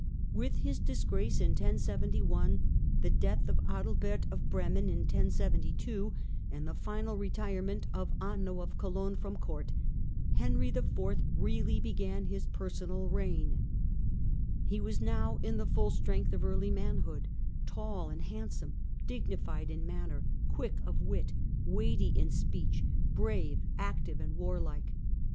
With his disgrace in 1071, the death of Adalbert of Bremen in 1072, and the final retirement of Anno of Cologne from Court, Henry IV. Personal really began his personal reign. He was now in the full Henry IV. Strength of early manhood, tall and handsome, dignified in manner, quick of wit, weighty in speech, brave, active, and warlike.